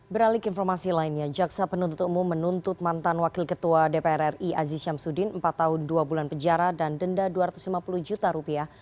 beralik informasi lainnya jaksa penuntut umum menuntut mantan wakil ketua dpr ri aziz syamsuddin empat tahun dua bulan penjara dan denda dua ratus lima puluh juta rupiah